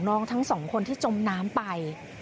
ของน้องทั้งสองคนที่จมน้ำไป